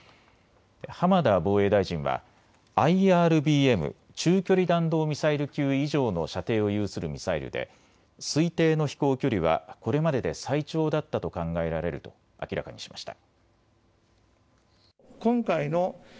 浜田防衛大臣は、ＩＲＢＭ・中距離弾道ミサイル級以上の射程を有するミサイルで、推定の飛行距離はこれまでで最長だったと考えられると明らかにしました。